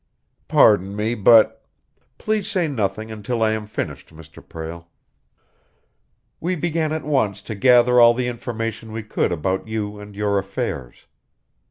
"Pardon me, but " "Please say nothing until I am finished, Mr. Prale. We began at once to gather all the information we could about you and your affairs.